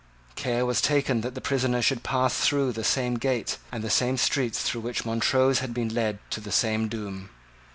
Care was taken that the prisoner should pass through the same gate and the same streets through which Montrose had been led to the same doom.